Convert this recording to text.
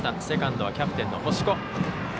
セカンドはキャプテンの星子。